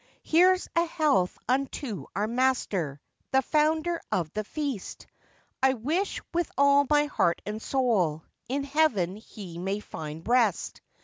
] HERE'S a health unto our master, The founder of the feast! I wish, with all my heart and soul, In heaven he may find rest.